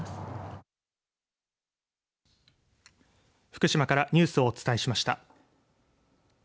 福島からニュースをお伝えしました。